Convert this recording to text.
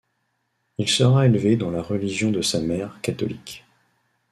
Il sera élevé dans la religion de sa mère, catholique.